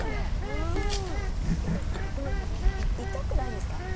うんすごいでも痛くないですか？